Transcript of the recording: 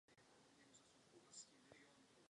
Obě řady pak vysílala také stanice Smíchov.